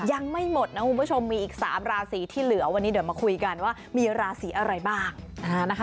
ยังไม่หมดนะคุณผู้ชมมีอีก๓ราศีที่เหลือวันนี้เดี๋ยวมาคุยกันว่ามีราศีอะไรบ้าง